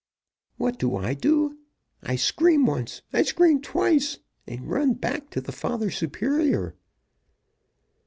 What do I do? I scream once I scream twice and run back to the father superior!"